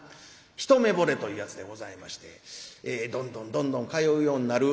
一目ぼれというやつでございましてどんどんどんどん通うようになる。